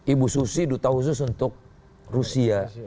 ibu susi duta khusus untuk rusia